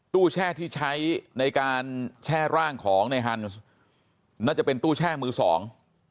แช่ที่ใช้ในการแช่ร่างของในฮันส์น่าจะเป็นตู้แช่มือสอง